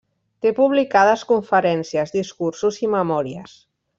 Té publicades conferències, discursos i memòries.